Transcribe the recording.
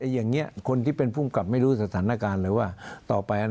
อย่างเนี้ยคนที่เป็นผู้การกลับไม่รู้สถานการณ์เลยว่า